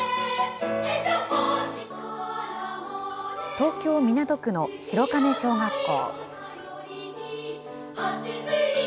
東京・港区の白金小学校。